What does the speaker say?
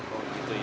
oh gitu ya